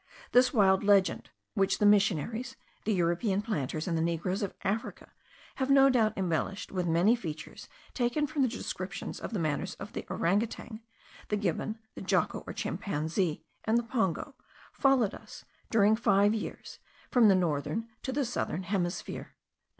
This wild legend, which the missionaries, the European planters, and the negroes of Africa, have no doubt embellished with many features taken from the description of the manners of the orang otang,* the gibbon, the jocko or chimpanzee, and the pongo, followed us, during five years, from the northern to the southern hemisphere.